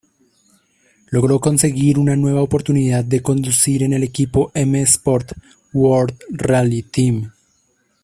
Logró conseguir una nueva oportunidad de conducir en el equipo M-Sport World Rally Team.